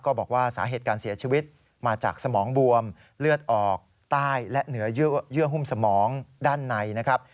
บอกว่าสาเหตุการเสียชีวิตมาจากสมองบวมเลือดออกใต้และเหนือเยื่อหุ้มสมองด้านในนะครับ